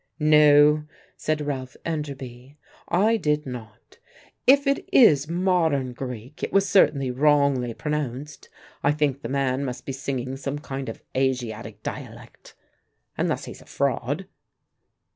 "No," said Ralph Enderby, "I did not. If it is modern Greek it was certainly wrongly pronounced. I think the man must be singing some kind of Asiatic dialect unless he's a fraud."